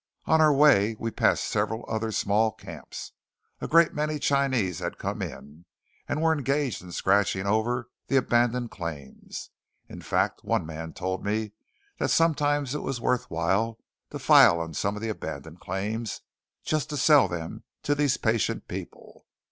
On our way we passed several other small camps. A great many Chinese had come in, and were engaged in scratching over the abandoned claims. In fact, one man told me that sometimes it was worth while to file on some of the abandoned claims just to sell them to these patient people!